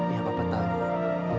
iya bapak tahu